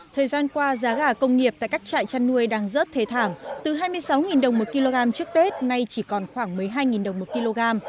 thời gian qua giá gà công nghiệp tại các trại chăn nuôi đang rớt thế thảm từ hai mươi sáu đồng một kg trước tết nay chỉ còn khoảng một mươi hai đồng một kg